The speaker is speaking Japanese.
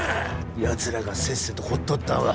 やつらがせっせと掘っとったんは。